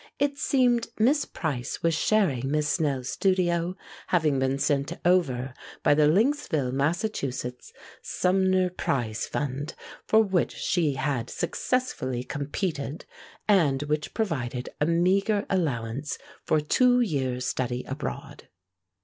It seemed Miss Price was sharing Miss Snell's studio, having been sent over by the Lynxville, Massachusetts, Sumner Prize Fund, for which she had successfully competed, and which provided a meagre allowance for two years' study abroad.